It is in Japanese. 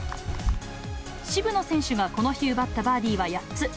渋野選手が、この日奪ったバーディーは８つ。